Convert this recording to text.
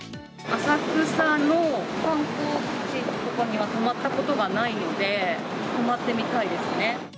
浅草の観光地とかには泊まったことがないので、泊まってみたいですね。